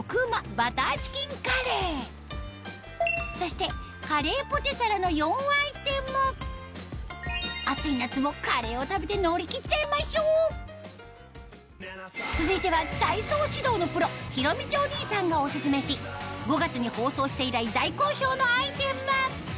バターチキンカレーそしてカレーポテサラの４アイテム暑い夏もカレーを食べて乗り切っちゃいましょう続いては体操指導のプロひろみちお兄さんがオススメし５月に放送して以来大好評のアイテム